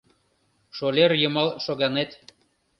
Шолер йымал шоганет